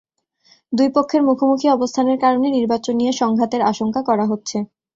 দুই পক্ষের মুখোমুখি অবস্থানের কারণে নির্বাচন নিয়ে সংঘাতের আশঙ্কা করা হচ্ছে।